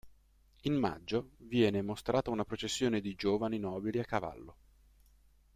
In "Maggio" viene mostrata una processione di giovani nobili a cavallo.